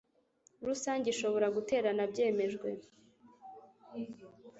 rusange ishobora guterana byemejwe